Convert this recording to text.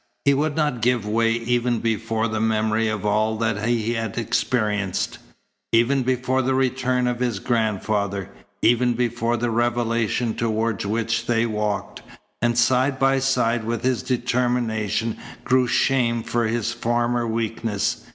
He would not give way even before the memory of all that he had experienced, even before the return of his grandfather, even before the revelation toward which they walked. And side by side with his determination grew shame for his former weakness.